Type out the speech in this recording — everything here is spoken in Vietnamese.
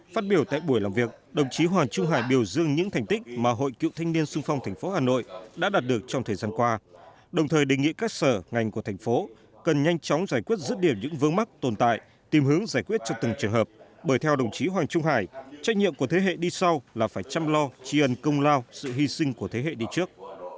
phát biểu tại buổi làm việc đồng chí hoàng trung hải biểu dương những thành tích mà hội cựu thanh niên sung phong thành phố hà nội đã đạt được trong thời gian qua đồng thời đề nghị các sở ngành của thành phố cần nhanh chóng giải quyết rứt điểm những vớ mắc tồn tại tìm hướng giải quyết cho từng trường hợp bởi theo đồng chí hoàng trung hải trách nhiệm của thế hệ đi sau là phải chăm lo tri ân công lao sự hy sinh của thế hệ đi trước